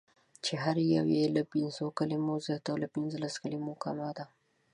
چې هره یوه یې له پنځو کلمو زیاته او له پنځلسو کلمو کمه ده: